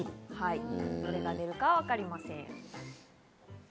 どれが出るかわかりません。